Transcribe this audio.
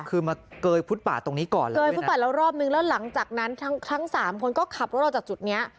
คือมาเกยฟุตป่าตรงนี้ก่อนเลยเกยฟุตบาทแล้วรอบนึงแล้วหลังจากนั้นทั้งทั้งสามคนก็ขับรถออกจากจุดเนี้ย